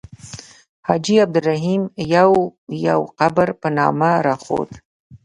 حاجي عبدالرحیم یو یو قبر په نامه راښود.